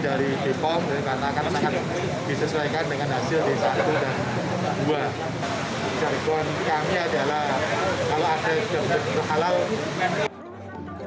kami berharap bahwa kita bisa mencari uji klinis vaksin merah putih